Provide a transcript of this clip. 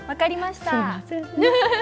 すいませんね。